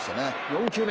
４球目。